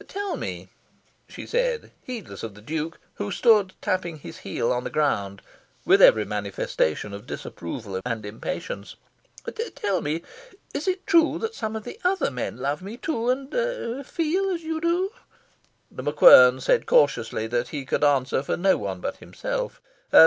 Tell me," she said, heedless of the Duke, who stood tapping his heel on the ground, with every manifestation of disapproval and impatience, "tell me, is it true that some of the other men love me too, and feel as you do?" The MacQuern said cautiously that he could answer for no one but himself.